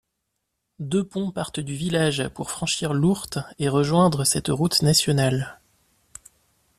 Deux ponts partent du village pour franchir l'Ourthe et rejoindre cette route nationale.